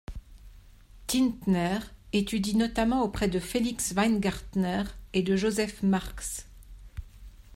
Tintner étudie notamment auprès de Felix Weingartner et de Joseph Marx.